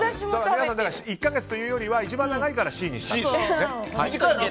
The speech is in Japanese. １か月というよりは一番長いからＣにしたと。